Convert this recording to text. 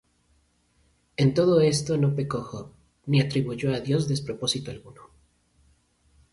En todo esto no pecó Job, ni atribuyó á Dios despropósito alguno.